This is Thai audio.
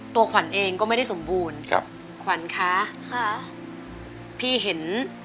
ตัวขวัญเองก็ไม่ได้สมบูรณ์